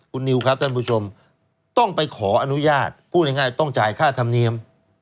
คุณนิวครับท่านผู้ชมต้องไปขออนุญาตพูดง่ายต้องจ่ายค่าธรรมเนียม